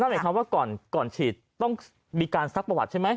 หมายความว่าก่อนฉีดต้องมีการซักประวัติใช่ไหม